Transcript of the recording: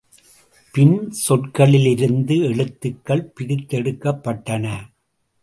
பின், சொற்களிலிருந்து எழுத்துகள் பிரித்தெடுக்கப்பட்டன.